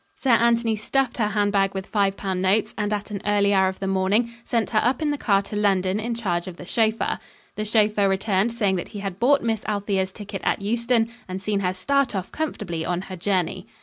Sir Anthony stuffed her handbag with five pound notes, and at an early hour of the morning sent her up in the car to London in charge of the chauffeur. The chauffeur returned saying that he had bought Miss Althea's ticket at Euston and seen her start off comfortably on her journey.